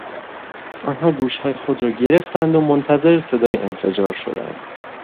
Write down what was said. آنها گوشهای خود را گرفتند و منتظر صدای انفجار شدند.